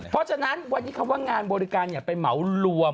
เพราะฉะนั้นวันนี้คำว่างานบริการไปเหมารวม